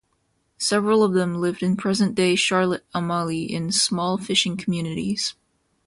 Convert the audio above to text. Several of them lived in present-day Charlotte Amalie in small fishing communities.